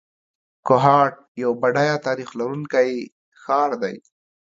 کوهاټ یو بډایه تاریخ لرونکی ښار دی.